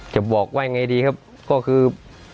จะบอกว่ายังไงดีครับก็คือ